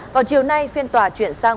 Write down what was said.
vào chiều nay phiên tòa chuyển sang